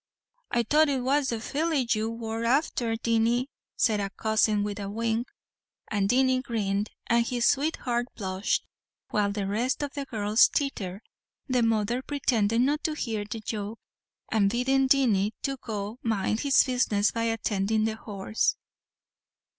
"I thought it was the filly you wor afther, Dinny," said a cousin with a wink; and Dinny grinned, and his sweetheart blushed, while the rest of the girls tittered, the mother pretending not to hear the joke, and bidding Dinny go mind his business by attending to the horse.